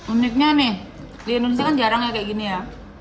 uniknya nih di indonesia kan jarang ya kayak gini ya